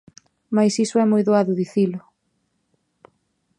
Mais iso é moi doado dicilo.